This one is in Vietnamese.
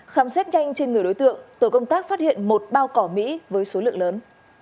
khám xét nhanh trên người đối tượng tổ công tác phát hiện một bao cỏ mỹ với số lượng lớn